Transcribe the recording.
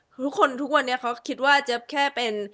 ทุกคนทุกวันเนี่ยเขาคิดว่าจะแค่เป็น